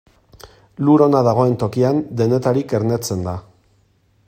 Lur ona dagoen tokian, denetarik ernetzen da.